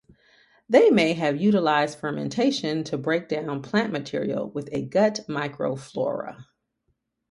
They may have utilized fermentation to break down plant material with a gut microflora.